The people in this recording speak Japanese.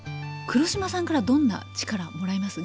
黒島さんからどんな力をもらいます？